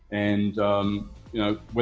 dan anda tahu